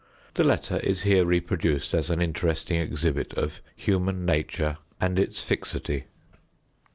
The letter is here reproduced as an interesting exhibit of human nature and it fixity.